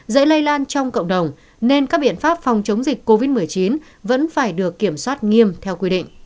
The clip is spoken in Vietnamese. dễ lây lan trong cộng đồng nên các biện pháp phòng chống dịch covid một mươi chín vẫn phải được kiểm soát nghiêm theo quy định